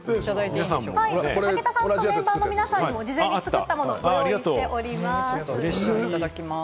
武田さんとメンバーの皆さんにも事前に作ったものをお配りしています。